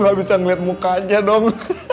gak bisa ngeliat mukanya dong